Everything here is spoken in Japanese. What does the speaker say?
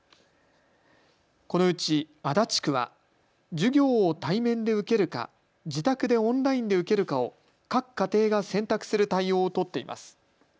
このうち足立区は授業を対面で受けるか自宅でオンラインで受けるかを各家庭が選択する対応を取っています。